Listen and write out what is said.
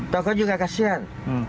toko juga kasian